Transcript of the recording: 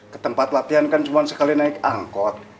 ketempat latihan kan cuma sekali naik angkot